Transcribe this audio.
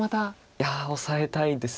いやオサえたいです